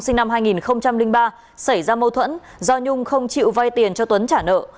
sinh năm hai nghìn ba xảy ra mâu thuẫn do nhung không chịu vay tiền cho tuấn trả nợ